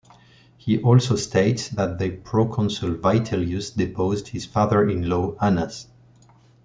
He also states that the proconsul Vitellius deposed his father in law, Annas.